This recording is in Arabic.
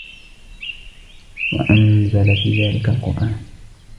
وَأَنْزَلَ فِي ذَلِكَ الْقُرْآنَ